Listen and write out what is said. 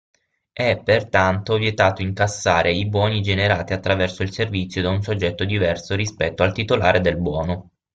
È, pertanto, vietato incassare i buoni generati attraverso il servizio da un soggetto diverso rispetto al titolare del buono.